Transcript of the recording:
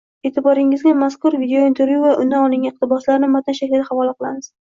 E’tiboringizga mazkur videointervyu va undan olingan iqtiboslarni matn shaklida havola qilamiz.